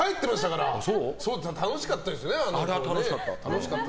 楽しかったですよね。